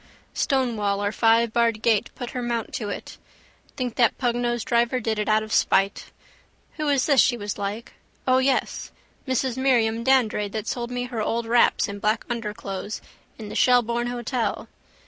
Stonewall or fivebarred gate put her mount to it. Think that pugnosed driver did it out of spite. Who is this she was like? O yes! Mrs Miriam Dandrade that sold me her old wraps and black underclothes in the Shelbourne hotel.